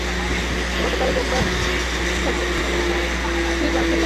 গতকাল রোববার ছাত্ররা নীরব প্রতিবাদ করার জন্য একপর্যায়ে স্কুল থেকে বেরিয়ে যায়।